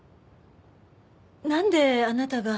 なんであなたが。